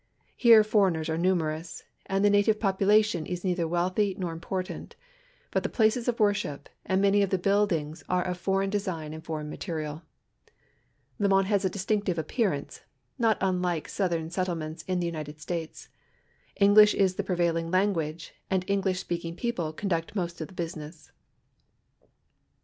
Here foreigners are numerous, and the na tive population is neither wealthy nor important, Init the places of worship and many of the buildings are of foreign design and foreign material. Limon has a distinctive appearance, not un like southern settlements in the United States. English is the prevailing language, and English speaking people conduct most of the business.